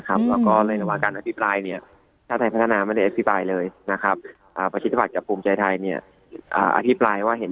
แต่คุณของรายละเอียดที่สมหรับที่เฮียบริชน์